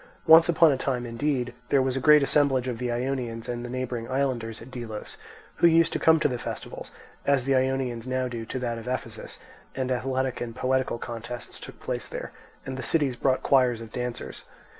Once upon a time, indeed, there was a great assemblage of the Ionians and the neighbouring islanders at Delos, who used to come to the festival, as the Ionians now do to that of Ephesus, and athletic and poetical contests took place there, and the cities brought choirs of dancers.